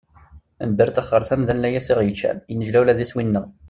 Nebberttex ɣer temda n layas i aɣ-yeččan, yennejla ula d iswi-nneɣ.